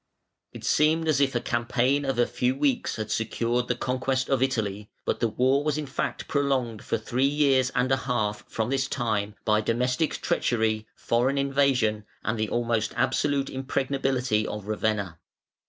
It seemed as if a campaign of a few weeks had secured the conquest of Italy, but the war was in fact prolonged for three years and a half from this time by domestic treachery, foreign invasion, and the almost absolute impregnability of Ravenna.